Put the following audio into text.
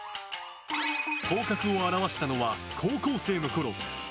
頭角を現したのは高校生のころ。